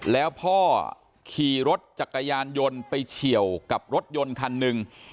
แล้วพ่อขี่รถจักรยานยนต์ไปเฉียวกับรถยนต์คันหนึ่ง